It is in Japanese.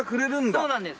そうなんです。